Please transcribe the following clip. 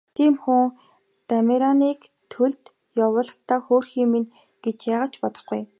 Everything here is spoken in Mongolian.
Тийм хүн Дамираныг төлд явуулахдаа хөөрхий минь гэж яагаад ч бодохгүй.